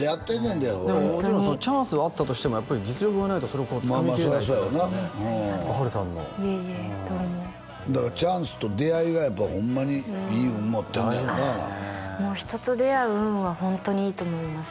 んでそれもちろんそのチャンスはあったとしてもやっぱり実力がないとそれをつかみきれないってなるとね華さんのいえいえとんでもだからチャンスと出会いがやっぱホンマにいい運持ってはんねやろなもう人と出会う運はホントにいいと思います